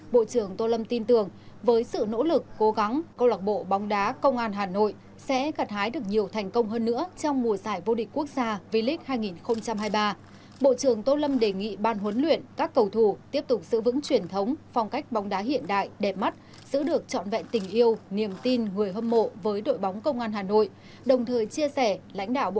bộ trưởng tô lâm đề nghị tỉnh ủy hải dương đặc biệt chú trọng quan tâm phối hợp lãnh đạo chỉ đạo